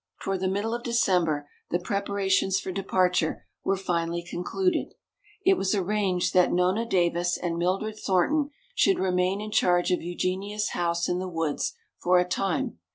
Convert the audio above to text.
Toward the middle of December the preparations for departure were finally concluded. It was arranged that Nona Davis and Mildred Thornton should remain in charge of Eugenia's house in the woods for a time.